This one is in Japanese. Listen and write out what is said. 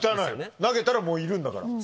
投げたらもういるんだから。